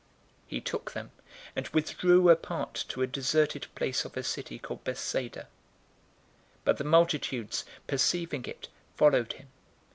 He took them, and withdrew apart to a deserted place of a city called Bethsaida. 009:011 But the multitudes, perceiving it, followed him.